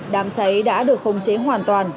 đàm cháy đã được không chế hoàn toàn